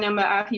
yang mbak avi